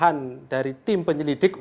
untuk lebih baik untuk menjaga kemampuan kita